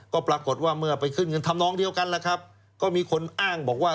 ก็ปรากฏว่าเมื่อไปขึ้นเงินทำนองเดียวกันแล้วครับก็มีคนอ้างบอกว่า